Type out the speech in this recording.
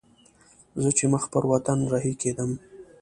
زه چې مخ پر وطن رهي کېدم.